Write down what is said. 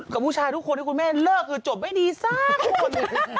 กับผู้ชายทุกคนที่คุณแม่เลิกคือจบไม่ดีสักทุกคน